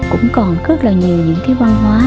cũng còn rất là nhiều những cái văn hóa